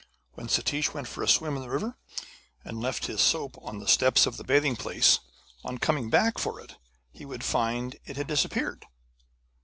When Satish went for a swim in the river, and left his soap on the steps of the bathing place, on coming back for it he would find that it had disappeared.